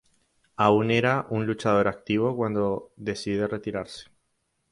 Aún era un luchador activo cuando decide retirarse.